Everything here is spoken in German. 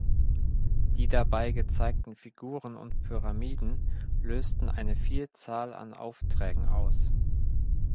Die dabei gezeigten Figuren und Pyramiden lösten eine Vielzahl an Aufträgen aus.